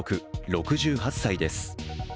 ６８歳です。